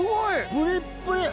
プリップリ！